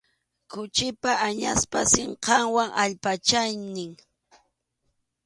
Khuchipa, añaspa sinqanwan allpachaynin.